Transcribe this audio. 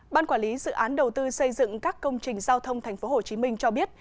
ban quản lý dự án đầu tư xây dựng các công trình giao thông tp hcm cho biết